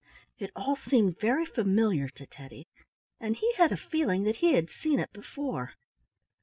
It all seemed very familiar to Teddy, and he had a feeling that he had seen it before.